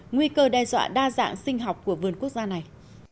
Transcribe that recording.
nguy cơ đe dọa đa dạng sinh học của vườn quốc gia này